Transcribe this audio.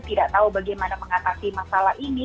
tidak tahu bagaimana mengatasi masalah ini